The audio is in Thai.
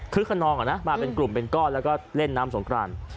คนนองมาเป็นกลุ่มเป็นก้อนแล้วก็เล่นน้ำสงคราน